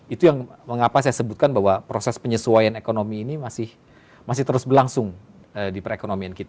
itu yang mengapa saya sebutkan bahwa proses penyesuaian ekonomi ini masih terus berlangsung di perekonomian kita